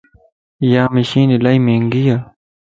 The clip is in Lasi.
يا مشين الائي مھنگي ائي